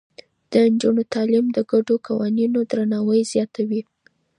د نجونو تعليم د ګډو قوانينو درناوی زياتوي.